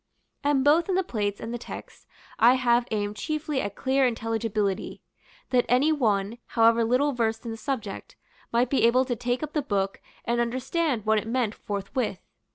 And both in the plates and the text I have aimed chiefly at clear intelligibility; that any one, however little versed in the subject, might be able to take up the book, and understand what it meant forthwith.